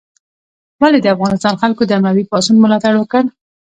ولې د افغانستان خلکو د اموي پاڅون ملاتړ وکړ؟